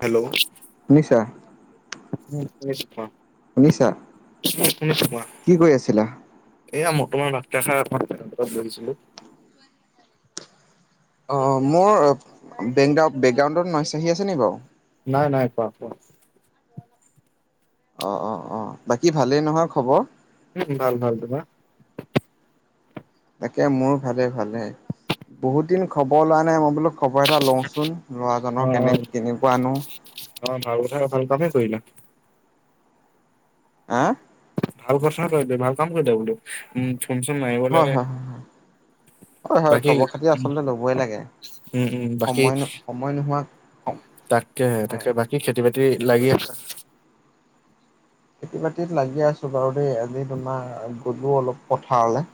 Hello শুনিছা শুনিছো শুনিছা কোৱা। কি কৰি আছিলা? এয়া বৰ্তমান ভাতকেইটা খাই অকনমান ফেনৰ তলত বহিছিলো। অ' মোৰ [unintelligible] বেকগ্ৰাউণ্ডত নয়চ আহি আছে নি বাৰু? নাই নাই কোৱা কোৱা। অ' অ' অ' বাকী ভালেই নহয় খবৰ? ভাল ভাল তোমাৰ? তাকে মোৰ ভালে ভালে, বহুত দিন খবৰ লোৱা নাই মই বোলো খবৰ এটা লওঁচোন অ ল'ৰাজনৰ কেনে কেনেকুৱানো? অ' ভাল কথা ভাল কামে কৰিলা। হা? ভাল কথা কৰিলে ভাল কাম কৰিলে বোলো, উম ফোন চোন মাৰিব হয় লাগে। হয় হয় হয় হয় বাকী খবৰ খাতি আচলতে ল'বই লাগে উম উম, বাকী সময় সময় নোহোৱা তাকেহে হয়। তাকে, বাকী খেতি বাতি লাগি আছা? খেতি বাতিত লাগি আছো বাৰু দেই আজি তোমাৰ গ'লো অলপ পথাৰলে।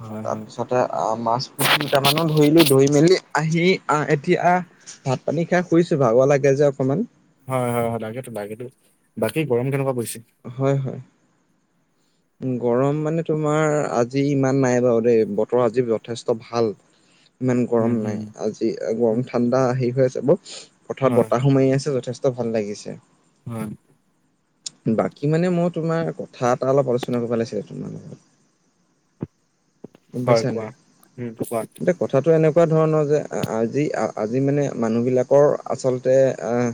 হয় হয় তাৰপিছতে আ মাছ পুঠি দুটামানো ধৰিলো ধৰি মেলি আহি আহ এতিয়া ভাত-পানী খাই শুইছো ভাগৰ লাগে যে অকণমান। হয় হয় হয় লাগেটো লাগেটো, বাকী গৰম কেনেকুৱা পৰিছে? হয় হয়। গৰম মানে তোমাৰ আজি ইমান নাই বাৰু দেই, বতৰ আজি যথেষ্ট ভাল। [inaudible] ইমান উম গৰম নাই, উম আজি গৰম উম, ঠাণ্ডা হেৰি হৈ আছে বৰ, পথাৰত হয় বতাহো মাৰি আছে যথে ত' ভাল লাগিছে। উম বাকী মানে মই তোমাৰ কথা এটা অলপ আলোচনা কৰিব লাগিছিলে তোমাৰ লগত। গম হয় পাইছা কোৱা নাই? উম কোৱা এতি কথাটো এনেকুৱা ধৰণৰ যে আজি আজি মানে মানুহবিলাকৰ আচলতে আহ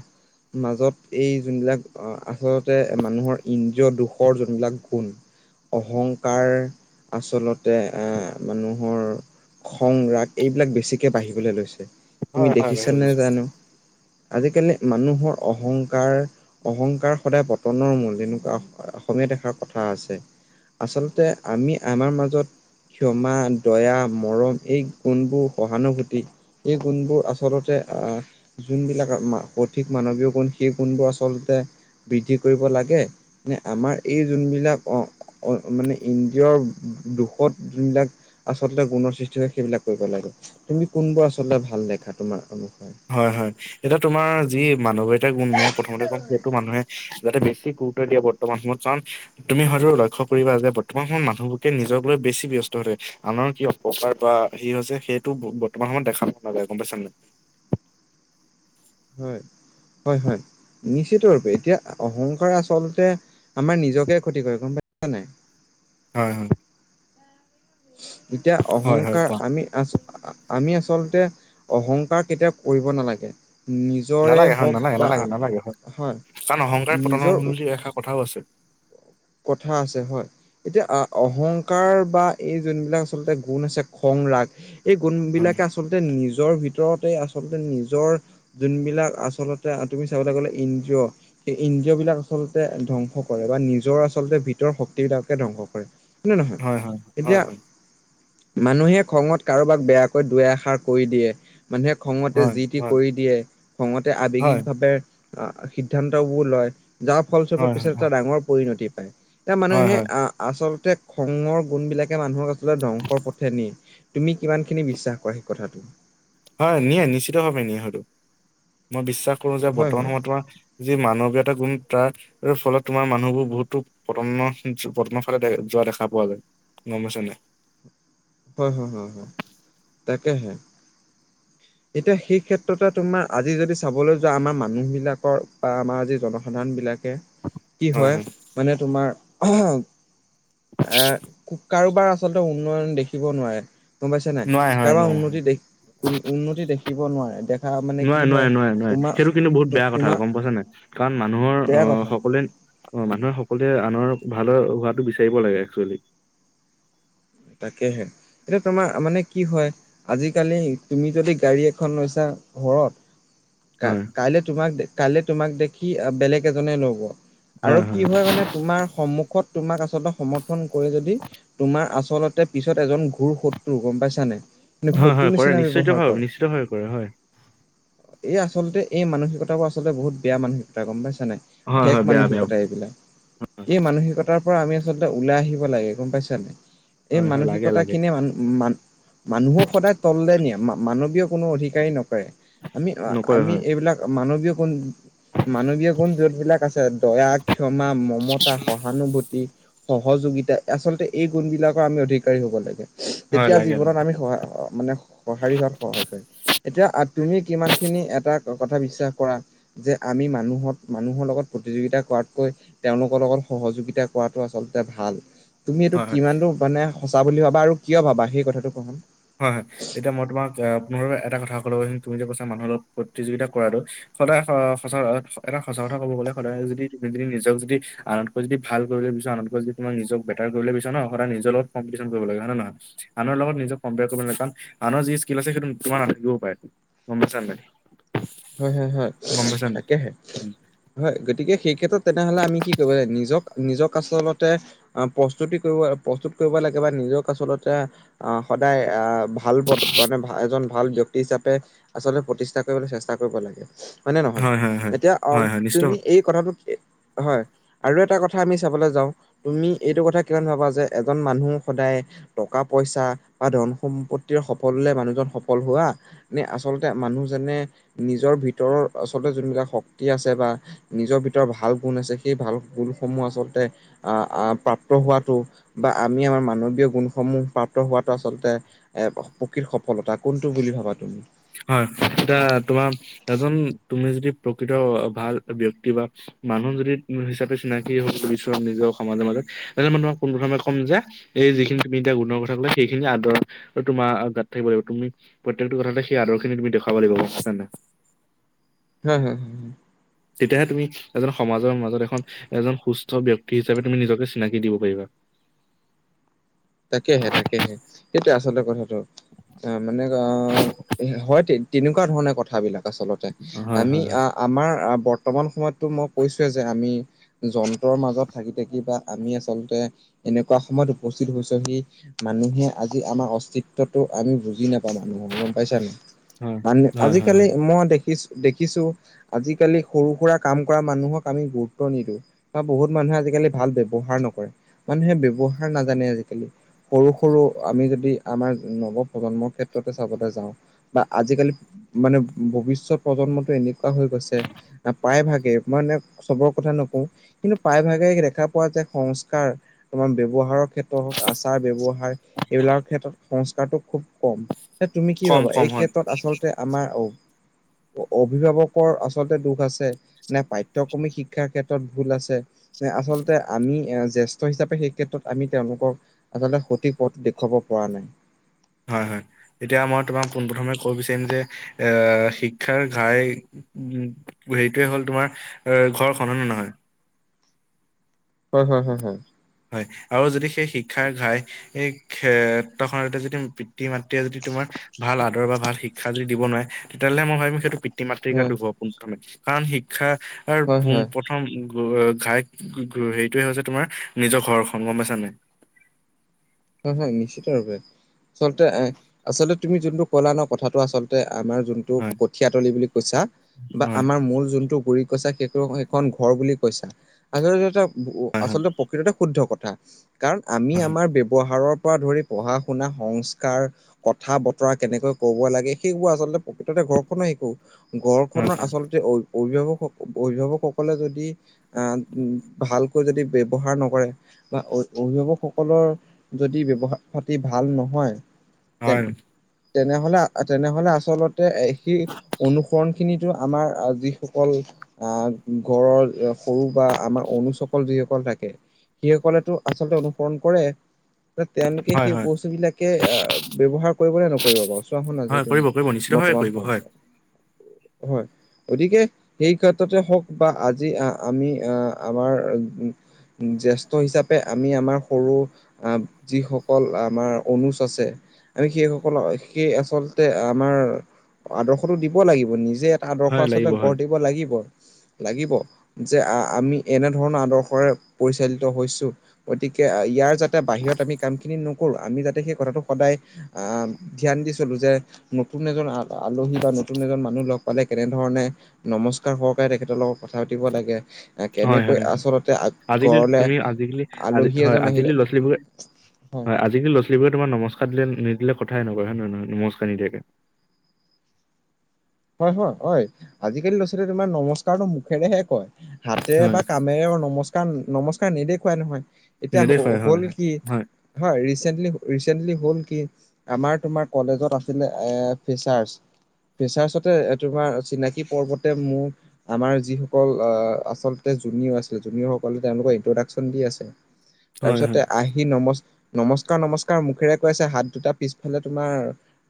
মাজত এই যোনবিলাক আচত মানুহৰ ইন্দ্ৰীয় দুখৰ যোনবিলাক গুণ। অহংকাৰ আচলতে এ মানুহৰ খং, ৰাগ এইবিলাক বেছিকে বাঢ়িবলে লৈছে, হয় তুমি হয় বাহিৰ দেখিছা ওলাইছো নে জানো? আজিকালি মানুহৰ অহংকাৰ অহংকাৰ সদায় পত পতনৰ মূল, এনেকুৱা অসমীয়াত এষাৰ কথা আছে। আচলতে আমি আমাৰ মাজত ক্ষমা, দয়া, মৰম এই কোনবোৰ সহানুভূতি এই গুণবোৰ আচলতে আহ যোনবিলাক সঠিক মানৱীয় গুণ, সেই গুণবোৰ আচলতে বৃদ্ধি কৰিব লাগে। নে আমাৰ এই যোনবিলাক অ' অ' মানে ইন্দ্ৰিয়ৰ দুখত যোনবিলাক আচলতে গুণৰ সৃষ্টি হয় সেইবিলাক কৰিব লাগে। তুমি কোনবোৰ আচলতে ভাল দেখা তোমাৰ অনুসৰ হয় হয়। এতিয়া তোমাৰ যি মানৱীয়তাৰ গুণ মই প্ৰথমতে কম সেইটো মানুহে যাতে বেছি গুৰুত্ব দিয়ে বৰ্তমান সময়ত কাৰণ তুমি হয়তো লক্ষ্য কৰিবা যে বৰ্তমান সময়ত মানুহবোকে নিজক লৈ বেছি ব্যস্ত হৈ থাকে। আনৰ কি প্ৰকাৰ বা সি হৈছে সেইটো বৰ্তমান সময়ত দেখা পোৱা নাযায়। গম পাইছা নাই? হয় হয়। নিশ্চিত ৰূপে। এতিয়া অহংকাৰ আচলতে আমাৰ নিজকে ক্ষতি কৰে গম পাইছ নাই? হয় হয় এতিয়া হয়, হয় অহংকাৰ কোৱা। আমি আছো, আমি আচলতে অহংকাৰ কেতিয়াও কৰিব নালাগে। নিজৰে নালাগে হয়, হওক নালাগে, বা নালাগে, আ নালাগে হয় নিজৰ, সেইষাৰ কথাও আছে। কথা আছে হয়। এতিয়া অহংকাৰ, বা এই যোনবিলাক আচলতে গুণ আছে খং ৰাগ- এই হয়, গুণবিলাকে আচলতে নিজৰ ভিতৰতে আচলতে নিজৰ যোনবিলাক আচলতে তুমি চাবলৈ গ'লে ইন্দ্ৰীয়, সেই ইন্দ্ৰিয় বিলাক আচলতে ধ্বংস কৰে বা নিজৰ আচল- আচলতে ভিতৰ শক্তি বিলাককে ধ্বংস কৰে হয় নে নহয়? হয়, হয়। এতিয়া হয়, হয়, মানুহে খঙত কাৰোবাক বেয়াকৈ দুই এষাৰ কয় দিয়ে। মানুহে খঙতে হয়, যি -টি হয়, হয়, কয় দিয়ে। খঙতে হয়, আবেগিকভাৱে আ সিদ্ধান্তবোৰ লয়। যাৰ ফলস্বৰূপে হয়, পিছত এটা ডাঙৰ পৰিণতি পায়। এতিয়া হয়, মানুহে হয়, আহ আচলতে খঙৰ গুণ বিলাকে মানুহক আচলতে ধ্বংসৰ পথেৰে নিয়ে। তুমি কিমানখিনি বিশ্বাস কৰা সেই কথাটো? হয়, নিয়ে নিশ্চিত ভাৱে নিয়ে হয়তো। মই বিশ্বাস কৰো যে হয় বৰ্তমান হয়, সময়ত তোমাৰ যি মানৱীয়তা গুণ তাক ফলত তোমাৰ মানুহবোৰ বহুতো পতনৰ পতনৰ ফালে যোৱা দেখা পোৱা যায়। গম পাইছ নাই? হয় হয় হয় হয় তাকেহে। এতিয়া সেই ক্ষেত্ৰতে তোমাৰ আজি যদি চাবলৈ যোৱা আমাৰ মানুহ বিলাকৰ বা আমাৰ আজি জনসংখ্যা, সাধাৰনবিলাকে- কি হয় মানে তোমাৰ হে কাৰোবাৰ আ- আচলতে উন্নয়ন দেখিব নোৱাৰে গম পাইছে নাই নোৱাৰে হয় কাৰোবাৰ নোৱাৰে হয়। উন্নতি দেখি উন্নতি দেখিব নোৱাৰে। দে নোৱাৰে নোৱাৰে নোৱাৰে নোৱাৰে সেইটো কিন্তু বহুত বেয়া কথা তোমাৰ গম পাইছ নাই? কাৰণ মানুহৰ বেয়া আহ কথা সকলোৱে অ মানুহে সকলোৱে আনৰ ভালৰ হোৱাটো বিচাৰিব লাগে একচুৱেলি। তাকেহে। এতিয়া তোমাৰ মানে কি হয় আজিকালি তুমি যদি গাড়ী এখন লৈছা ঘৰত, হয় কাইলে তোমাক কাইলে তোমাক দেখি বেলেগ এজনে লব আৰু কি হয় মানে, তোমাৰ সন্মুখত তোমাক আচলতে সমৰ্থন কৰি যদি তোমাৰ আ- আচলতে পিছত এজন ঘূৰ শত্ৰু গম পাইছা নাই? হয় হয় কৰে নিশ্চয়িত ভাৱে নিশ্চিতভাৱে কৰে হয়। এই আচলতে এই মানসিকতাবোৰ আচলতে বহুত বেয়া মানসিকতা গম পাইছ নাই? হয় ঠেক হয় বেয়া বেয়া মানসিকতা এইবিলাক। এই মানসিকতা তাৰ পৰা আমি আচলতে ওলাই আহিব লাগে গম পাইছ নাই? এই হয় হয় লাগে লাগে মানসিকতাখিনিয়ে মানুহ মানুহক সদায় তললে নিয়ে। মানৱীয় কোনো অধিকাৰেই নকৰে। আমি নকৰে আমি হয় এইবিলাক মানৱীয় গুণ, মানৱীয় গুণ যোন বিলাক আছে দয়া, ক্ষমা, মমতা, সহানুভূতি সহযোগিতা আচলতে এই গুণ বিলাকৰ আমি অধিকাৰী হব লাগে। হয় তেতিয়া লাগে লাগে জীৱনত আমি সহায় মানে সঁহাৰি হোৱাত সহায় কৰে। এতিয়া তুমি কিমান খিনি এটা কথা বিশ্বাস কৰা? যে আমি মানুহত মানুহৰ লগত প্ৰতিযোগিতা কৰাতকৈ, তেওঁলোকৰ লগত সহযোগিতা কৰাটো আচলতে ভাল। তুমি এইটো হয় হয়। কিমানটো মানে সঁচা বুলি ভাবা আৰু কিয় ভাবা, সেই কথাটো কোৱা শুন? হয়, হয়, এতিয়া মই তোমাক পুনৰ এটা কথা কলো হয়, তুমি যে কৈছা মানুহৰ লগত প্ৰতিযোগিতা কৰাটো। সদায় সঁচা, এটা সঁচা কথা কব গ'লে, সদায় যদি তুমি নিজক যদি আনতকৈ যদি ভাল কৰিবলৈ বিচাৰা ন', বিকজ যদি তোমাক নিজক বেটাৰ কৰিব বিচাৰা ন, সদায় নিজৰ লগত কম্পিটিচন কৰিব লাগে, হয় নে নহয়? আনৰ লগত নিজক কম্পেয়াৰ কৰিব নালাগে, কাৰণ আনৰ যি স্কিল আছে, সেইটো তোমাৰ নাথাকিবও পাৰে, গ'ম পাইছান নাই? হয়, হয়, হয়, গম পাইছা নে নাই? তাকেহে। হয়, গতিকে সেই ক্ষেত্ৰত তেনেহলে আমি কি কৰিব লাগে, নিজক, নিজক আচলতে আ প্ৰস্তুতি কৰিব, প্ৰস্তুত কৰিব লাগে বা নিজক আচলতে আ সদায় আ ভাল পদ মানে, এজন ভাল ব্যক্তি হিচাপে আচলতে প্ৰতিষ্ঠা কৰিবলৈ চেষ্টা কৰিব লাগে। হয় নে নহয়? হয়, হয়। এতিয়া অঁ হয়, হয় নিশ্চিত তুমি এই কথাটো কি হয়। আৰু এটা কথা আমি চাবলে যাওঁ, তুমি এইটো কথা কিমান ভাবা যে এজন মানুহ সদায় টকা-পইচা বা ধন-সম্পত্তিৰ সফল হ'লে মানুহজন সফল হোৱা। নে আচলতে মানুহজনে, নিজৰ ভিতৰৰ আচলতে যোনবিলাক শক্তি আছে, বা নিজৰ ভিতৰত ভাল গুণ আছে, সেই ভাল গুণসমূহ আচলতে। আ' আ' প্ৰাপ্ত হোৱাটো বা আমি আমাৰ মানৱীয় গুণসমূহ প্ৰাপ্ত হোৱাটো আচলতে। এ প্ৰকৃত সফলতা কোনটো বুলি ভাবা তুমি? হয়, এতিয়া তোমাৰ এজন তুমি যদি প্ৰকৃত ভাল ব্যক্তি, বা মানুহ যদি হিচাপে চিনাকি হব বিচাৰা, নিজৰ সমাজৰ মাজত, এজন মানুহক পুন প্ৰথমে ক'ম যে এই যিখিনি তুমি এতিয়া গুণৰ কথা ক'লে, সেইখিনি আদৰ তোমাৰ গাত থাকিব লাগিব, তুমি প্ৰত্যেকটো কথাতে সেই আদৰখিনি তুমি দেখাব লাগিব, গ'ম পাইছান নাই? হয়, হয়, হয়, হয়। তেতিয়াহে তুমি এজন সমাজৰ মাজত, এখন এজন সুস্থ ব্যক্তি হিচাপে তুমি নিজকে চিনাকি দিব পাৰিবা। তাকেহে, তাকেহে, সেইটোৱেই আচলতে কথাটো। মানে অ', হয় তেনেকুৱা ধৰণে কথাবিলাক আচলতে। হয় আমি হয় হয় আ আমাৰ বৰ্তমান সময়তটো মই কৈছোৱে যে, আমি যন্ত্ৰৰ মাজত থাকি, থাকি, বা আমি আচলতে এনেকুৱা সময়ত উপ হৈছে সি, মানুহে আজি আমাৰ অস্তিত্বটো আমি বুজি নাপাওঁ মানুহৰ পাইছা নে, হয় মান হয় হয় আজিকালি হয় মই দেখিছো, দেখিছো আজিকালি সৰু সুৰা কাম কৰা মানুহক আমি গুৰুত্ব নিদো। বা বহুত মানুহে আজিকালি ভাল ব্যৱহাৰ নকৰে, মানুহে ব্যৱহাৰ নাজানে আজি আজিকালি সৰু, সৰু আমি যদি আমাৰ নৱ-প্ৰজন্মৰ ক্ষেত্ৰতে চাবলে যাওঁ। বা আজিকালি মানে ভৱিষ্যত প্ৰজন্মটো এনেকুৱা হৈ গৈছে। প্ৰায় ভাগে, মই মানে চবৰ কথা নকওঁ। কিন্তু প্ৰায়ভাগে দেখা পোৱা যায়, সংস্কাৰ তোমাৰ ব্যৱহাৰৰ ক্ষেত হওঁক, আচাৰ ব্যৱহাৰ এইবিলাকৰ ক্ষেত্ৰত সংস্কাৰটো খুব কম। তুমি কি কম ভাবা? কম এই হয় ক্ষেত্ৰত আচলতে আমাৰ অ অভিভাৱকৰ আচলতে দুখ আছে [unintelligible] নে পাঠ্যক্ৰমী শিক্ষাৰ ক্ষেত্ৰত ভুল আছে? নে আচলতে আমি এ জ্যেষ্ঠ হিচাপে, সেই ক্ষেত্ৰত আমি তেওঁলোকক আচলতে সঠিক পথ দেখুৱাব পৰা নাই। হয়, হয়, এতিয়া মই তোমাক পোনপ্ৰথমে কব বিচাৰিম যে এ শিক্ষাৰ ঘাই উম' সেইটোৱেই হ'ল তোমাৰ অ ঘৰখন, হয় নে নহয়? হয়, হয় হয়, হয়। হয়, আৰু যদি সেই শিক্ষাৰ ঘাই এই ক্ষেত্ৰখনতে যদি পিতৃ-মাতৃয়ে যদি তোমাৰ ভাল আদৰ বা ভাল শিক ক্ষা যদি দিব নোৱাৰে তেতিয়াহ'লে মই ভাবিম সেইটো পৃত পিতৃ-মাতৃৰ গাত হয় দোষ হ'ব পোনপ্ৰথমে কাৰণ শিক্ষাৰ হয় পোন হয় প্ৰ প্ৰথম গ ঘাই হেৰিটোৱেই হৈছে তোমাৰ নিজৰ ঘৰখন গম পাইছা নাই হয় হয় নিশ্চয়ৰূপে আচলতে এ আচলতে তুমি জোনটো ক'লা ন কথাটো আচলতে আমাৰ জোন তু হয়, কঠিয়াতলি বুলি কৈছা বা হয়, আমাৰ মূল জোনটো গুৰিত কৈছা সেইটো সেইখন ঘৰ বুলি কৈছা। [unintelligible] হয়, হয়, আচলতে প্ৰকৃততে শুদ্ধ কথা, কাৰণ আমি হয়, আমাৰ ব্যৱ সাৰৰ পৰা ধৰি পঢ়া-শুনা সংস্কাৰ কথা বতৰা কেনেকৈ ক'ব লাগে, সেইবোৰ আচলতে প্ৰকৃততে ঘৰখনত শিকো। হয়, ঘৰখনৰ আচলতে অ অভিভাৱক অভিভাৱকসকলে যদি আহ ও ভালকৈ যদি ব্যৱহাৰ নকৰে বা অ অভিভাৱকসকলৰ যদি ব্যৱহাৰ পাতি ভাল নহয়, হয়, তেন তেনেহ'লে তেনেহ'লে আচলতে সি অনুসৰণ খিনি [unintelligible] আমাৰ আ যিসকল আহ ঘৰৰ সৰু বা আমাৰ অনুজসকল যিসকল থাকে। যি সকলেতো আচলতে অনুসৰণ কৰে। তেওঁলোকে হয়, সেই হয়, বস্তুবিলাকে অ ব্যৱহাৰ কৰিব নে নকৰিব বাৰু চোৱাখন আজি হয়, তুমি কৰিব কৰিব নিশ্চিতভাৱে বৰ্তমান কৰিব সম হয়। হয় গতিকে এই ক্ষেত্ৰতে হওক বা আজি আ আমি আ আমাৰ ও ও জেষ্ঠ্য হিচাপে আমি আমাৰ সৰু আ যিসকল আমাৰ অনুজ আছে। আমি সেই সকলক সেই আচলতে আমাৰ আদৰ্শটো দিব লাগিব। নিজে আদৰ্শ হয় আচলতে লাগিব হয়। গঢ় দিব লাগিব। লাগিব যে আ আমি এনেধৰণৰ আদৰ্শৰে পৰিচালিত হৈছোঁ। গতিকে ই ইয়াৰ যাতে বাহিৰত আমি কামখিনি নকৰোঁ। আমি যাতে সেই কথাটো সদায় আহ, ধ্যান দি চলো যে নতুন এজন আ আলহী বা নতুন এজন মানুহ লগ পালে কেনেধৰণে নমস্কাৰ সহকাৰে তেখেতৰ লগত কথা পাতিব লাগে হয় কেনেকৈ হয় হয়। আচলতে আজিকালি ঘৰলে তুমি আজিকালি আজি আলহী হয় এজন আহিলে আজিকালি ল'ৰা-ছোৱালীবোৰ হয়, আজিকালি ল'ৰা-ছোৱালীবোৰে তোমাৰ নমস্কাৰ দিলে নিদিলে কথাই নকয় হয় নে নহয় নমস্কাৰ নিদিয়াকে। হয় হয় হয়। আজিকালি ল'ৰা ছোৱালীয়ে তোমাৰ নমস্কাৰটো মুখেৰেহে কয় হাতেৰে হয় বা কামে [unintelligible] নমস্কাৰ নমস্কাৰ নেদেখুৱাই নহয়, এতিয়া হ নেদেখুৱাই হয় হ'ল কি হয় হয় ৰিচেণ্টলি ৰিচেণ্টলি হ'ল কি আমাৰ তোমাৰ কলেজত আছিলে এ ফেছাৰ্চ। ফেচাৰ্ছত তোমাৰ চিনাকি পৰ্বতে মোক আমাৰ যিসকল আহ আচলতে জুনিয়ৰ আছিলে জুনিয়ৰ সকলে তেওঁলোকে ইন্ট্ৰ'ডাকচন দি আছে। হয় তাৰপিছতে হয় আই সি নম নমস্কাৰ নমস্কাৰ মুখেৰে কৈ আছে হাত দুটা পিছফালে তোমাৰ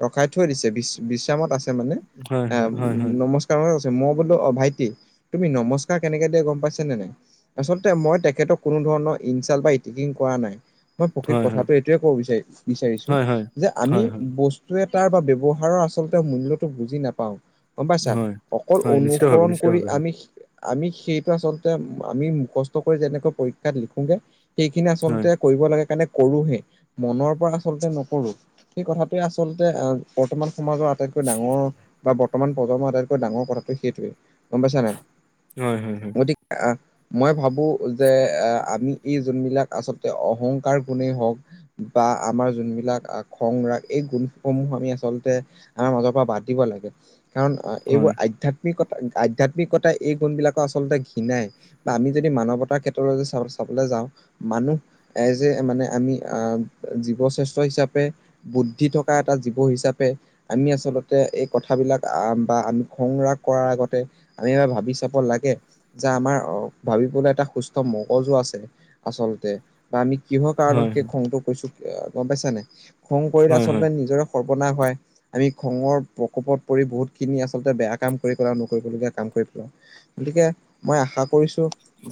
ৰখাই থৈ দিছে। বিছ বিশ্ৰামত আছে মানে হয় হয় হয় আহ নমস্ [unintelligible] মই বোলো অ ভাইটি তুমি নমস্কাৰ কেনেকে দিয়া গম পাইছ নে নাই? আচলতে মই তেখেতক কোনো ধৰণৰ ইনচাল্ট বা ইতিকিং কৰা নাই। মই প্ৰকৃত হয় হয় কথাটো এইটোয়ে ক'ব বিচাৰি বিচাৰিছোঁ হয় হয় যে আমি হয় হয় হয় বস্তু টোয়ে তাৰ বা ব্যৱহাৰৰ আচলতে মূল্যতটো বুজি নাপাওঁ। গম পাইছা। হয় অকল হয় নিশ্চিতভাৱে অনুসৰণ কৰি নিশ্চিতভাৱে হয় আমি আমি সেইটো আচলতে আমি মুখস্থ কৰি যেনেকৈ পৰীক্ষাত লিখোগে। সেইখিনি আচলতে হয় কৰিব লাগে কাৰণে কৰোহে। মনৰ পৰা আচলতে নকৰোঁ। সেই কথাটোৱে আচলতে আহ্ বৰ্তমান সমাজৰ আটাইতকৈ ডাঙৰ বা বৰ্তমান প্ৰজন্মৰ আটাইতকৈ ডাঙৰ কথাটো সেইটোৱে। গম পাইছা নাই? হয় হয় গতি আহ মই ভাবোঁ যে এ আমি এই যোনবিলাক আচলতে অহংকাৰ গুণেই হওঁক। বা আমাৰ যোনবিলাক আহ্ খং ৰাগ এই গুণসমূহ আমি আচলতে আমাৰ মাজৰ পৰা বাদ দিব লাগে। কাৰণ আহএইবোৰ হয় আধ্যাত্মি কতা আধ্যাত্মিকতাই এই গুণবিলাকো আচলতে ঘৃণাই। বা আমি যদি মানৱতাৰ ক্ষেত্ৰলৈ যদি চা-চাবলৈ যাওঁ। মানুহ এজ এ মানে আমি আহ জীৱ শ্ৰেষ্ঠ হিচাপে। বুদ্ধি থকা এটা জীৱ হিচাপে আমি আচলতে এক কথাবিলাক আহ্ বা আমি খং ৰাগ কৰাৰ আগতে আমি এবাৰ ভাবি চাব লাগে। যে আমাৰ অ ভাবিবলৈ এটা সুস্থ মগজু আছে। আচলতে বা আমি কিহৰ কাৰণত হয় সেই হয় খংটো কৰিছোঁ। অ গম পাইছা নে? খং কৰিলে হয় আচলতে নিজৰে সৰ্বনাশ হয়। আমি খঙৰ প্ৰকোপত পৰি বহুতখিনি আচলতে বেয়া কাম কৰি পেলাও। নকৰিবলগীয়া কাম কৰি পেলাও। গতিকে মই আশা কৰিছোঁ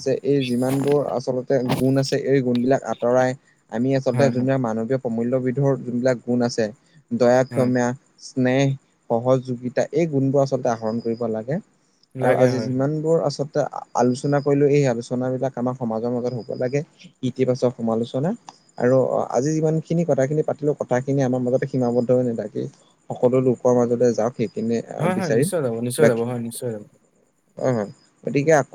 যে এই যিমানবোৰ আচলতে গুণ আছে এই গুণবিলাক আঁতৰাই, আমি আচলতে হয় হয় হয় যোনবিলাক মানৱীয় প্ৰমূল্যবিধৰ যোনবিলাক গুণ আছে। দয়া হয় ক্ষমা স্নেহ সহযোগিতা এই গুণবোৰ আচলতে আহৰণ কৰিব লাগে। আৰু লাগে আজি হয় যিমানবোৰ আচ টান আ-আলোচনা কৰিলোঁ। এই আলোচন বিলাক আমাৰ সমাজৰ মাজত হ'ব লাগে ইতিবাচক সমালোচনা। আৰু আজি যিমান খিনি কথাখিনি পাতিলো কথাখিনি আমাৰ মাজতে সীমাবদ্ধ হৈ নেথাকে। সকলো লোকৰ মাজতে যাওঁক সেইখিনি আহ হয় হয় বিচাৰিম। নিশ্চয় যাব নিশ্চয় যাব বাকী হয় নিশ্চয় যাব অহ গতিকে আ